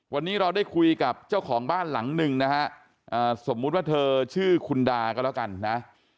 วันนี้เราได้คุยกับเจ้าของบ้านหลังหนึ่งนะฮะสมมุติว่าเธอชื่อคุณดาก็แล้วกันนะ